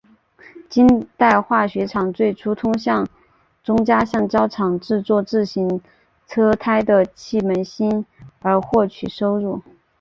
近代化学厂最初通过向宗家橡胶厂制作自行车内胎的气门芯而获取收入。